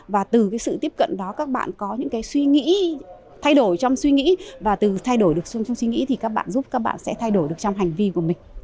và từ cái sự tiếp cận đó các bạn có những cái suy nghĩ thay đổi trong suy nghĩ và từ thay đổi được xuống trong suy nghĩ thì các bạn giúp các bạn sẽ thay đổi được trong hành vi của mình